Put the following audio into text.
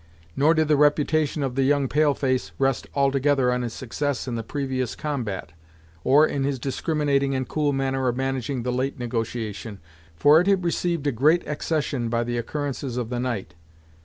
Nor did the reputation of the young pale face rest altogether on his success in the previous combat, or in his discriminating and cool manner of managing the late negotiation, for it had received a great accession by the occurrences of the night.